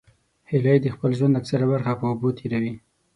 هیلۍ د خپل ژوند اکثره برخه په اوبو تېروي